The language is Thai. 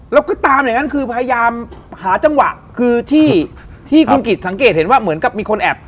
เราก็ตามอย่างนั้นคือพยายามหาจังหวะคือที่คุณกิจสังเกตเห็นว่าเหมือนกับมีคนแอบ